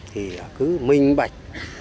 thì cứ minh bạch